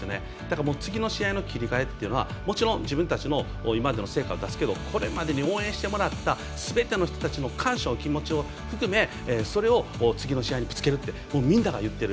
次の試合の切り替えは今までの自分たちの成果も出すけどこれまでに応援してもらったすべての人たちへの感謝の気持ちを含めそれを次の試合にぶつけるとみんな言っている。